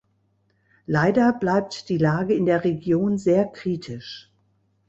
Leider bleibt die Lage in der Region sehr kritisch.